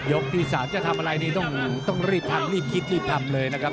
ยกที่สองจะทำลายนี้ต้องต้องรีบทำรีบคิดรีบทำเลยนะครับ